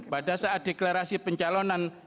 pada saat deklarasi pencalonan